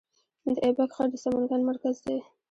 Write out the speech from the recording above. د ایبک ښار د سمنګان مرکز دی